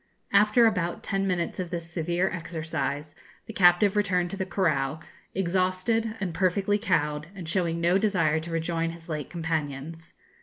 After about ten minutes of this severe exercise, the captive returned to the corral, exhausted, and perfectly cowed, and showing no desire to rejoin his late companions.